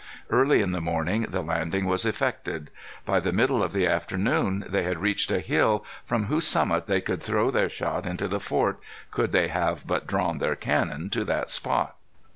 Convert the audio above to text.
Early in the morning the landing was effected. By the middle of the afternoon they had reached a hill, from whose summit they could throw their shot into the fort, could they but have drawn their cannon to that spot.